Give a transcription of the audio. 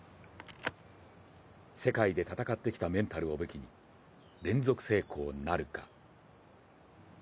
世界で戦ってきたメンタルを武器に連続成功なるか。